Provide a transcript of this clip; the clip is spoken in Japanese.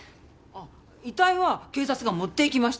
あっ遺体は警察が持っていきました。